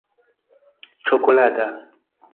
ĉokolada